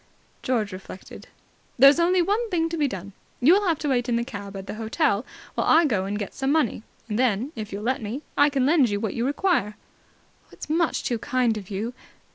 George reflected. "There's only one thing to be done. You will have to wait in the cab at the hotel, while I go and get some money. Then, if you'll let me, I can lend you what you require." "It's much too kind of you.